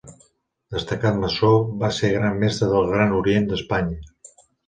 Destacat maçó, va ser Gran Mestre del Gran Orient d'Espanya.